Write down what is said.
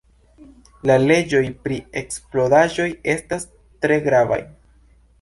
La leĝoj pri eksplodaĵoj estas tre gravaj.